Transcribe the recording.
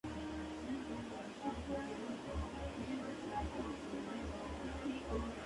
Su obra es muy extensa.